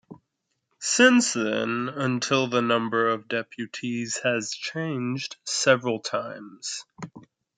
Since then until the number of deputies has changed several times.